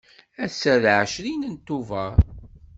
Ass-a d ɛecrin Tubeṛ.